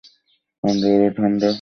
অন্ধকার ও ঠাণ্ডা তীব্র আকার ধারণ করল।